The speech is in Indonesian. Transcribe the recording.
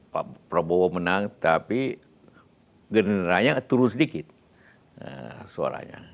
pak prabowo menang tapi generasinya turun sedikit suaranya